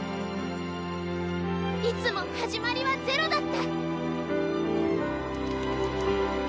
いつも始まりは０だった。